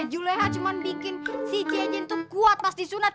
juleha cuma bikin si jenjen tuh kuat pas disunat